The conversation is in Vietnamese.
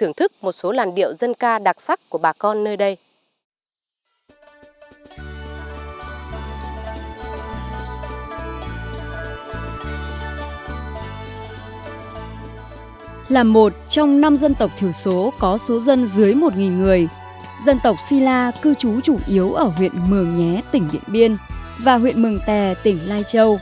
năm một trong năm dân tộc thiểu số có số dân dưới một người dân tộc si la cư trú chủ yếu ở huyện mường nhé tỉnh điện biên và huyện mường tè tỉnh lai châu